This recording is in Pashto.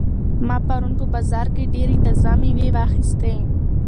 ما پرون په بازار کې ډېرې تازه مېوې واخیستې.